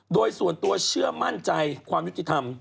โดยส่วนตัวเชื่อมั่นใจความยุติธรรม